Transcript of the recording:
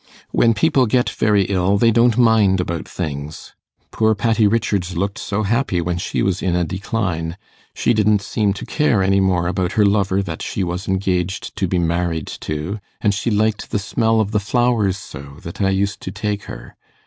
'When people get very ill, they don't mind about things. Poor Patty Richards looked so happy when she was in a decline. She didn't seem to care any more about her lover that she was engaged to be married to, and she liked the smell of the flowers so, that I used to take her.